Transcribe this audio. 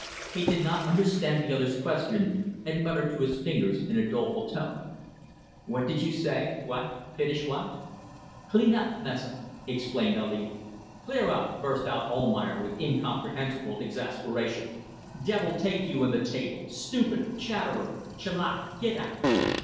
He did not understand the other's question, and muttered through his fingers in a doleful tone "What did you say? What? Finish what?" "Clear up meza," explained Ali. "Clear up!" burst out Almayer, with incomprehensible exasperation. "Devil take you and the table. Stupid! Chatterer! Chelakka! Get out!"